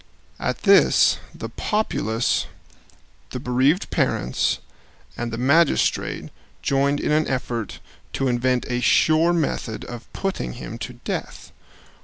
At this the populace, the bereaved parents, and the magistrate joined in an effort to invent a sure method of putting him to death.